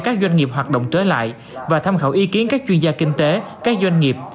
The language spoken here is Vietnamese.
các doanh nghiệp hoạt động trở lại và tham khảo ý kiến các chuyên gia kinh tế các doanh nghiệp